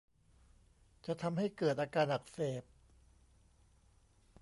จะทำให้เกิดอาการอักเสบ